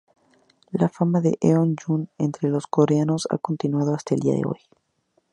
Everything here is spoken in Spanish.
La fama de Heo Jun entre los coreanos ha continuando hasta hoy en día.